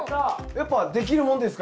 やっぱできるもんですか？